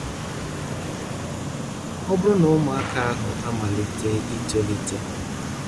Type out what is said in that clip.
Ọ bụrụ na ụmụaka ahụ amalite itolite